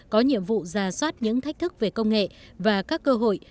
có nhiệm vụ giả soát những thách thức về công nghệ và các cơ hội